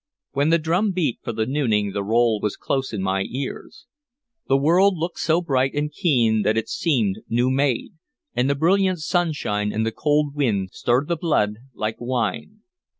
When the drum beat for the nooning the roll was close in my ears. The world looked so bright and keen that it seemed new made, and the brilliant sunshine and the cold wind stirred the blood like wine.